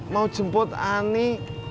mau jemput ani